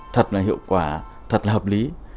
thật là hiệu quả thật là hợp lý